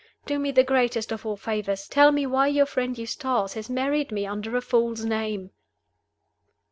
Do me the greatest of all favors tell me why your friend Eustace has married me under a false name!"